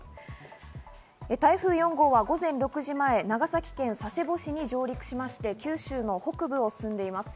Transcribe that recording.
台風４号は午前６時前、長崎県佐世保市に上陸しまして、九州の北部を進んでいます。